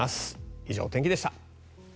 以上、天気でした。